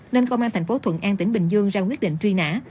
nên công an thành phố thuận an tỉnh bình dương ra quyết định truy nã